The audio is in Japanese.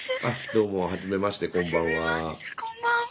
どうもはじめましてこんばんは。